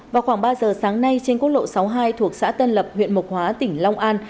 vào khoảng ba giờ sáng nay trên quốc lộ sáu mươi hai thuộc xã tân lập huyện mộc hóa tỉnh long an